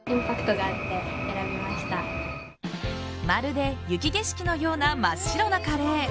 まるで雪景色のような真っ白なカレー。